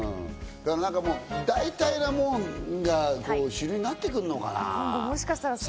代替のものが主流になってくるのかな？